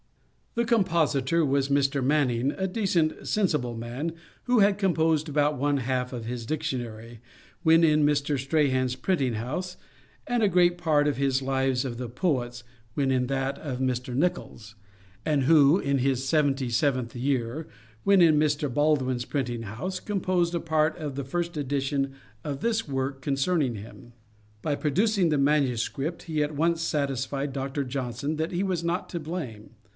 The compositor was Mr. Manning, a decent sensible man, who had composed about one half of his Dictionary, when in Mr. Strahan's printing house; and a great part of his Lives of the Poets, when in that of Mr. Nichols; and who (in his seventy seventh year), when in Mr. Baldwin's printing house, composed a part of the first edition of this work concerning him. By producing the manuscript, he at once satisfied Dr. Johnson that he was not to blame.